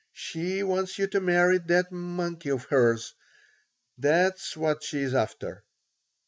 She wants you to marry that monkey of hers. That's what she is after."